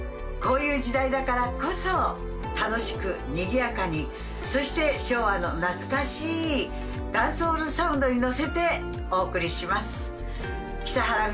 こういう時代だからこそ楽しくにぎやかにそして昭和の懐かしいダンスホールサウンドにのせてお送りします北原